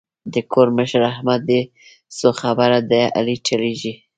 د کور مشر احمد دی خو خبره د علي چلېږي.